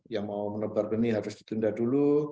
yang mau menepar peni harus ditundah dulu